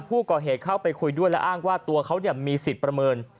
ผู้ก่อเหตุเข้าไปคุยด้วยและอ้างว่าตัวเขาเนี่ยมีสิทธิ์ประเมิน